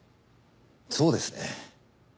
そうですね。